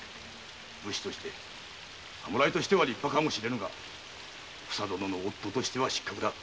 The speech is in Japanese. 武士としては立派かもしれぬがふさ殿の夫としては失格だ。